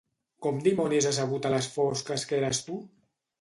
Com dimonis ha sabut a les fosques que eres tu?